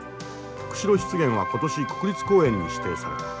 釧路湿原は今年国立公園に指定された。